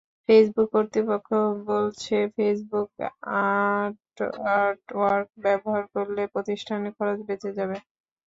Facebook কর্তৃপক্ষ বলছে, Facebook at work ব্যবহার করলে প্রতিষ্ঠানের খরচ বেঁচে যাবে।